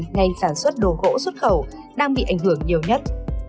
ngành sản xuất đồ gỗ xuất khẩu đang bị ảnh hưởng nhiều nhất